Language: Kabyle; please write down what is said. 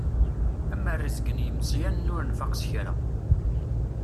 Amarezg n yimeẓẓyanen ur nfaq s kra.